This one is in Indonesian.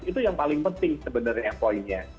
itu yang paling penting sebenarnya poinnya